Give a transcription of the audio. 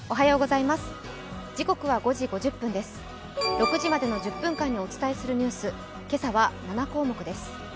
６時までの１０分間にお伝えするニュース、今朝は７項目です。